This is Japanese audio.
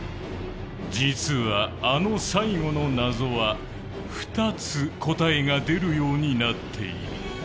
実は、あの最後の謎は２つ答えが出るようになっている。